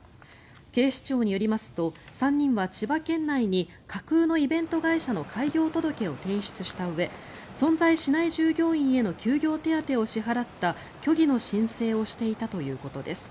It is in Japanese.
警視庁によりますと３人は千葉県内に架空のイベント会社の開業届を提出したうえ存在しない従業員への休業手当を支払った虚偽の申請をしていたということです。